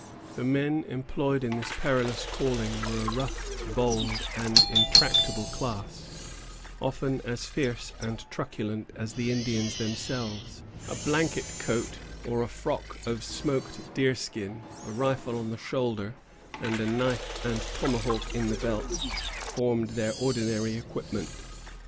The men employed in this perilous calling were a rough, bold, and intractable class, often as fierce and truculent as the Indians themselves. A blanket coat, or a frock of smoked deer skin, a rifle on the shoulder, and a knife and tomahawk in the belt, formed their ordinary equipment.